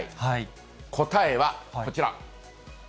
答えはこちら。